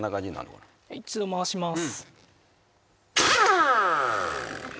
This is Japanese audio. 一度回します。